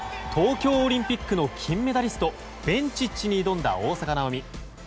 東京オリンピックの金メダリストベンチッチに挑んだ大坂なおみ。